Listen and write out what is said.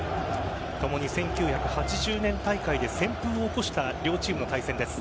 共に１９８０年大会で旋風を起こした両チームの対戦です。